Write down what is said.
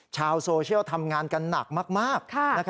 ชาวโซเชียลทำงานกันหนักมาก